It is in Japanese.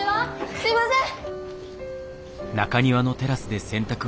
すいません！